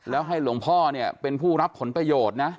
แล้วให้หลวงพ่อเนี่ยเป็นผู้รับผลประโยชน์นะ